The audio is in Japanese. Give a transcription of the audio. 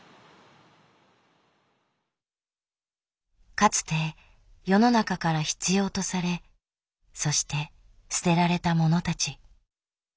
かつて世の中から必要とされそして捨てられたものたち。